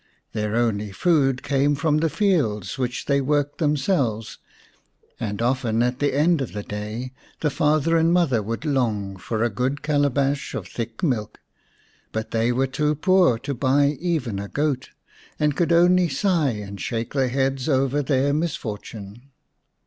Their only food came from the fields which they worked them selves, and often at the end of the day the father and mother would long for a good cala bash of thick milk. But they were too poor to 115 The Fairy Bird x buy even a goat, and could only sigh and shake their heads over their misfortune.